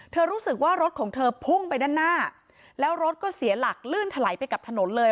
รู้สึกว่ารถของเธอพุ่งไปด้านหน้าแล้วรถก็เสียหลักลื่นถลายไปกับถนนเลย